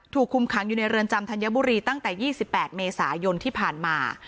คุมขังอยู่ในเรือนจำธัญบุรีตั้งแต่๒๘เมษายนที่ผ่านมา